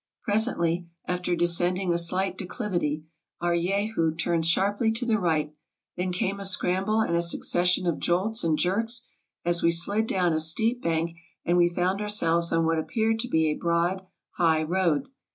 Presently, after descend ing a slight declivity, our Jehu turned sharply to the right; then came a scramble, and a succession of jolts and jerks, as we slid down a steep bank, and we found ourselves on what appeared to be a broad high road.